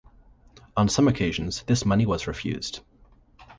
On some occasions, this money was refused.